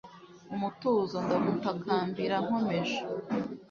umutuzo.ndagutakambira nkomeje